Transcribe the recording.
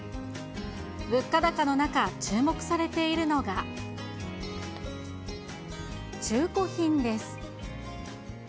物価高の中、注目されているのが、中古品です。